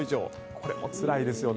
これもつらいですよね。